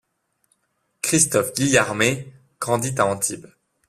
Christophe Guillarmé grandit à Antibes.